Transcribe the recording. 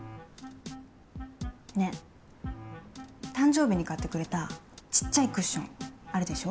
ねえ誕生日に買ってくれたちっちゃいクッションあるでしょ。